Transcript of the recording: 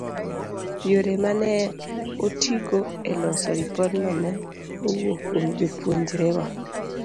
yore ma ne otigo e loso ripodno ne owuok kuom jopuonjrewa